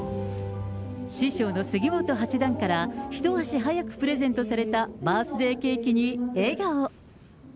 師匠の杉本八段から一足早くプレゼントされたバースデーケーキに笑顔。